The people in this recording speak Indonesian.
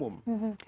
dan ilmu umum